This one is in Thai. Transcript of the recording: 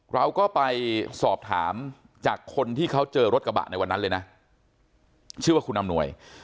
เราก็ไปสอบถามจากคนที่เขาเจอรถกระบะในวันนั้นเลยนะชื่อว่าคุณอำนวย